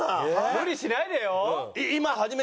無理しないでよ。